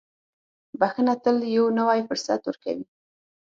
• بښنه تل یو نوی فرصت ورکوي.